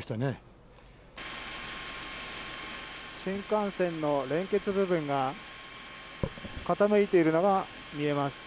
新幹線の連結部分が傾いているのが見えます。